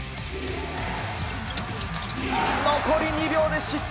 残り２秒で失点。